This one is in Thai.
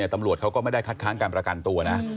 ตำรวจเขาก็ไม่ได้คัดค้างการประกันตัวนะ